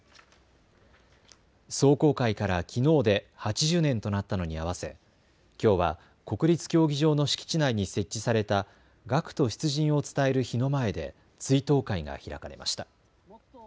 壮行会からきのうで８０年となったのに合わせ、きょうは国立競技場の敷地内に設置された学徒出陣を伝える碑の前で追悼会が開かれました。